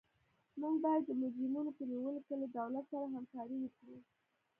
موږ باید د مجرمینو په نیولو کې له دولت سره همکاري وکړو.